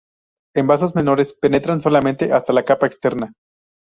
En vasos menores penetran solamente hasta la capa externa.